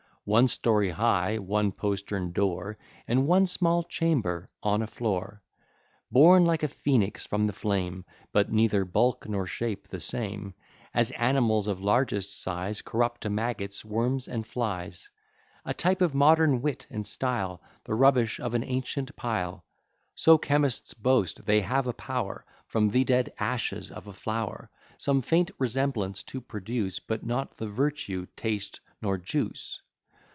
One story high, one postern door, And one small chamber on a floor, Born like a phoenix from the flame: But neither bulk nor shape the same; As animals of largest size Corrupt to maggots, worms, and flies; A type of modern wit and style, The rubbish of an ancient pile; So chemists boast they have a power, From the dead ashes of a flower Some faint resemblance to produce, But not the virtue, taste, nor juice.